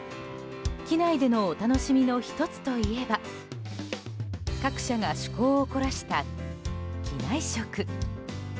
機内でのお楽しみの１つといえば各社が趣向を凝らした機内食。